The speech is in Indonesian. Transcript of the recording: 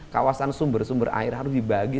kawasan sumber sumber air harus dibagi